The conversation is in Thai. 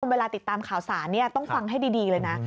เวลาติดตามข่าวสารต้องฟังให้ดีเลยนะ